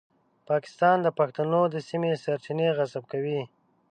پاکستان د پښتنو د سیمې سرچینې غصب کوي.